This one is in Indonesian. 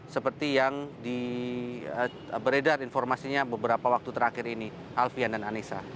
seperti yang di beredar informasinya beberapa waktu terakhir ini alfian dan anissa